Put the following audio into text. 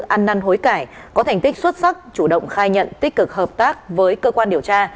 ăn năn hối cải có thành tích xuất sắc chủ động khai nhận tích cực hợp tác với cơ quan điều tra